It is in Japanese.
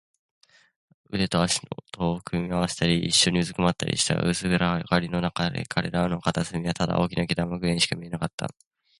腕と脚とを組み合わせたり、いっしょにうずくまったりした。薄暗がりのなかで、彼らのいる片隅はただ大きな糸玉ぐらいにしか見えなかった。